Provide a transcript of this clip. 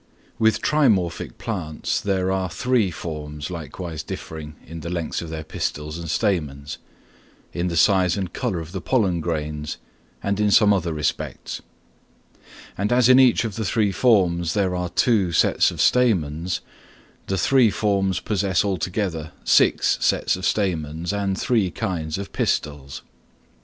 With trimorphic plants there are three forms likewise differing in the lengths of their pistils and stamens, in the size and colour of the pollen grains, and in some other respects; and as in each of the three forms there are two sets of stamens, the three forms possess altogether six sets of stamens and three kinds of pistils.